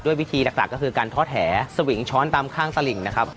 วิธีหลักก็คือการทอดแหสวิงช้อนตามข้างสลิงนะครับ